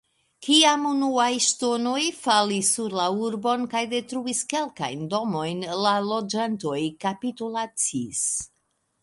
Kiam unuaj ŝtonoj falis sur la urbon kaj detruis kelkajn domojn, la loĝantoj kapitulacis.